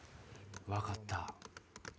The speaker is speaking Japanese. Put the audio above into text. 分かった！